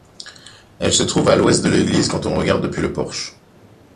Elle se trouve à l'ouest de l'église quand on regarde depuis le porche.